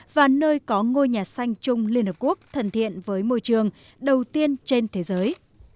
và nơi có ngôi nhà xanh chung liên hợp quốc thân thiện với môi trường đầu tiên trên thế giới